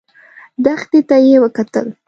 دښتې ته يې وکتل.